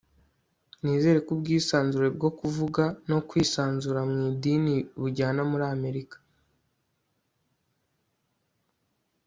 nizera ko ubwisanzure bwo kuvuga no kwisanzura mu idini bujyana muri amerika